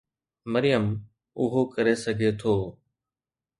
مريم اهو ڪري سگهي ٿو.